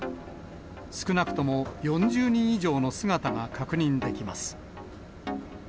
少なくとも４０人以上の姿が確認できます。